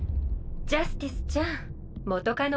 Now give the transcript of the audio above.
ジャスティスちゃん元カノ